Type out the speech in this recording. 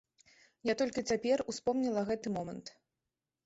Я толькі цяпер успомніла гэты момант.